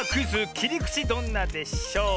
「きりくちどんなでショー」。